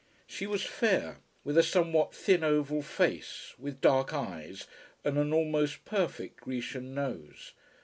She was fair, with a somewhat thin oval face, with dark eyes, and an almost perfect Grecian nose.